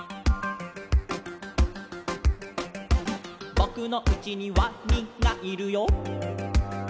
「ぼくのうちにワニがいるよ」